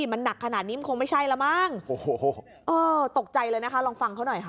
มันหนักขนาดนี้มันคงไม่ใช่แล้วมั้งโอ้โหเออตกใจเลยนะคะลองฟังเขาหน่อยค่ะ